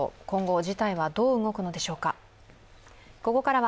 今後、事態はどう動くのでしょうか